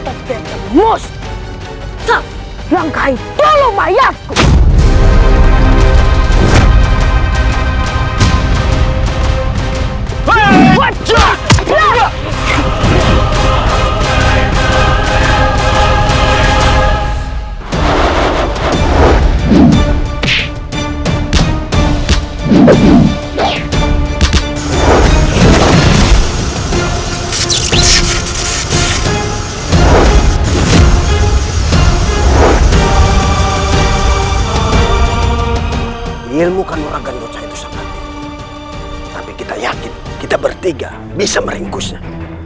tapi kita yakin kita bertiga bisa meringkusnya